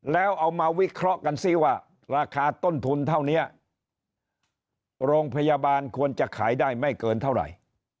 แล้วเอามาวิเคราะห์กันซิว่าราคาต้นทุนเท่านี้โรงพยาบาลควรจะขายได้ไม่เกินเท่าไหร่